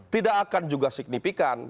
tidak akan juga signifikan